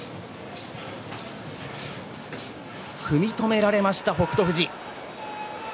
組み止められました北勝富士。